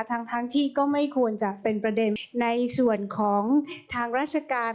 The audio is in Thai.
ทั้งที่ก็ไม่ควรจะเป็นประเด็นในส่วนของทางราชการ